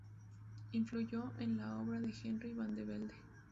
Influyó en la obra de Henry Van de Velde.